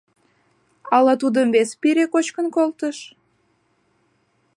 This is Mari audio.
Ала тудым вес пире кочкын колтыш?